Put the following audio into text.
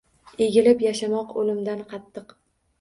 Egilib yashamoq oʼlimdan qattiq.